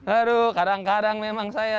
aduh kadang kadang memang saya